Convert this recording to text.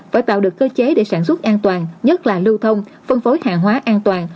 phải tạo được cơ chế để sản xuất an toàn nhất là lưu thông phân phối hàng hóa an toàn